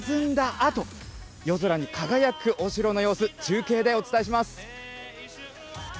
あと、夜空に輝くお城の様子、中継でお伝えします。